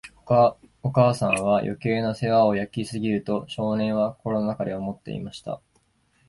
お母さんは、余計な世話を焼きすぎる、と少年は心の中で思っていました。